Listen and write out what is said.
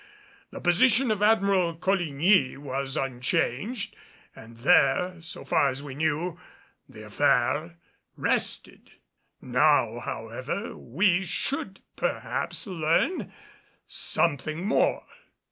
The position of Admiral Coligny was unchanged, and there, so far as we knew, the affair rested. Now however, we should perhaps learn something more.